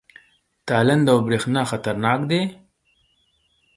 تالنده او برېښنا خطرناک دي؟